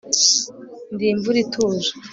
Ndi imvura ituje